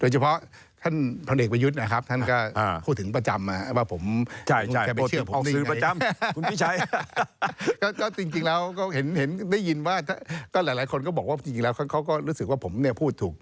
เขาก็บอกว่าจริงแล้วเขาก็รู้สึกว่าผมพูดถูก